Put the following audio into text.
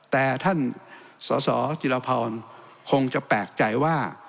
แต่ท่านสสจิรพรคงจะแปลกใจว่า